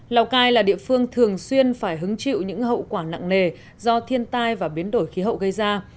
lào cai là địa phương thường xuyên phải hứng chịu những hậu quả nặng nề do thiên tai và biến đổi khí hậu gây ra